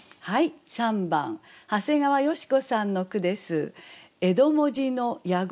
３番長谷川淑子さんの句です。